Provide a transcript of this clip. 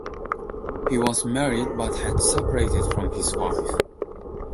He was married but had separated from his wife.